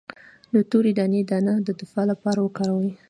د تورې دانې دانه د دفاع لپاره وکاروئ